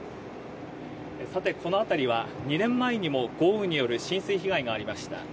さて、この辺りは２年前にも豪雨による浸水被害がありました。